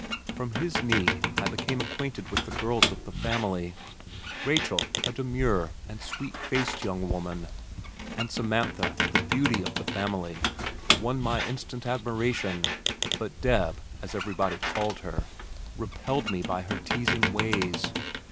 From his knee I became acquainted with the girls of the family. Rachel, a demure and sweet faced young woman, and Samantha, the beauty of the family, won my instant admiration, but Deb, as everybody called her, repelled me by her teasing ways.